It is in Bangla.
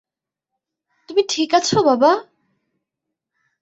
তুমি ঠিক আছো, বাবা?